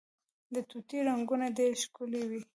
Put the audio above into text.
د طوطي رنګونه ډیر ښکلي وي